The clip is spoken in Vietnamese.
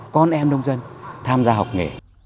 con em nông dân tham gia học nghề